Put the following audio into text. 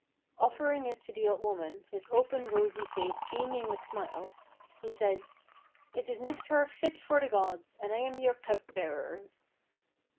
Offering it to the old woman, his open rosy face beaming with smiles, he said "it is nectar fit for the gods, and I am your cup bearer."